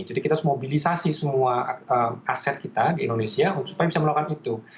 jadi kita harus mobilisasi semua aset kita di indonesia supaya bisa melakukan itu